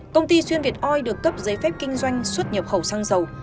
công ty xuyên việt oi được cấp giấy phép kinh doanh xuất nhập khẩu xăng dầu